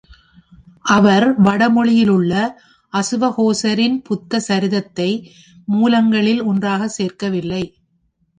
அவர் வடமொழியிலுள்ள அசுவகோசரின் புத்த சரிதத்தை மூலங்களில் ஒன்றாகச் சேர்க்கவில்லை.